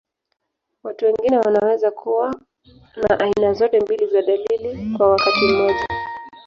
Watu wengine wanaweza kuwa na aina zote mbili za dalili kwa wakati mmoja.